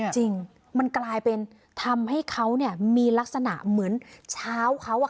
จริงมันกลายเป็นทำให้เขามีลักษณะเหมือนเช้าเขา